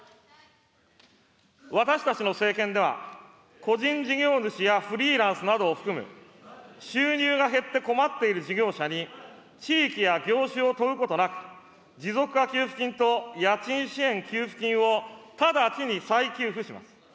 私たちの政権では、個人事業主やフリーランスなどを含む、収入が減って困っている事業者に、地域や業種を問うことなく、持続化給付金と家賃支援給付金を直ちに再給付します。